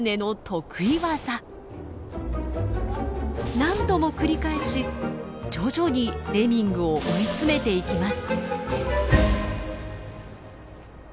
何度も繰り返し徐々にレミングを追い詰めていきます。